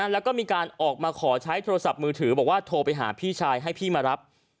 แล้วก็มีการออกมาขอใช้โทรศัพท์มือถือบอกว่าโทรไปหาพี่ชายให้พี่มารับ